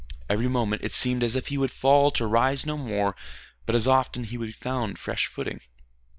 Every moment it seemed as if he would fall to rise no more, but as often he found fresh footing.